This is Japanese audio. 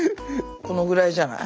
このぐらいじゃない？